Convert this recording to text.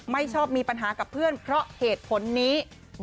ไม่ชอบมีปัญหากับเพื่อนเพราะเหตุผลนี้